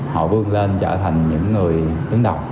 họ vươn lên trở thành những người đứng đầu